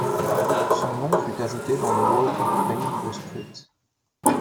Son nom fut ajouté dans le Walk of Fame de St.